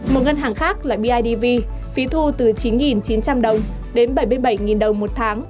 một ngân hàng khác là bidv phí thu từ chín chín trăm linh đồng đến bảy mươi bảy đồng một tháng